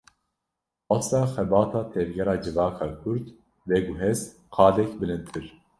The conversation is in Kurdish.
Asta xebata tevgera civaka kurd, veguhest qadek bilindtir